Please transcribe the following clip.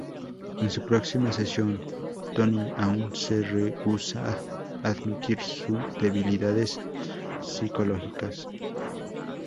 En su próxima sesión, Tony aún se rehúsa a admitir su debilidades psicológicas.